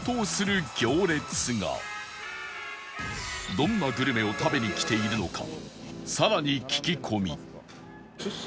どんなグルメを食べに来ているのか更に聞き込み